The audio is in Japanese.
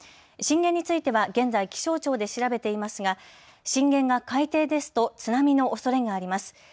震源については現在、気象庁で調べていますが震源が海底ですと津波のおそれがあります。